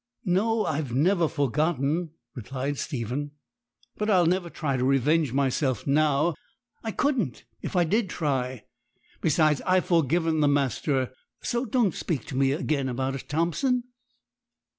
'No, I've never forgotten,' replied Stephen, 'but I'll never try to revenge myself now. I couldn't if I did try. Besides, I've forgiven the master; so don't speak to me again about it, Thompson.'